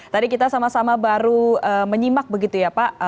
tadi kita sama sama baru menyimak begitu ya pak